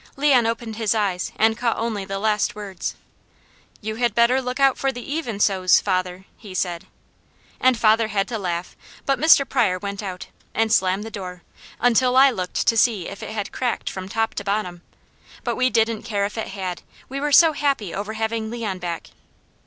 Leon opened his eyes and caught only the last words. "You had better look out for the 'Even So's,' father," he said. And father had to laugh, but Mr. Pryor went out, and slammed the door, until I looked to see if it had cracked from top to bottom; but we didn't care if it had, we were so happy over having Leon back.